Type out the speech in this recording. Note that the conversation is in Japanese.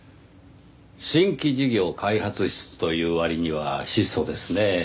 新規事業開発室という割には質素ですねぇ。